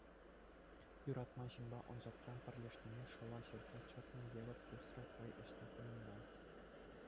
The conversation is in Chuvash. Юратман ҫынпа ӑнсӑртран пӗрлешнине шӑла ҫыртса чӑтнӑ евӗр тӳсрӗ хӑй ӗҫне комендант.